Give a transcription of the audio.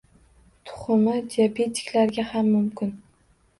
Tuxumi diabetiklarga ham mumkin.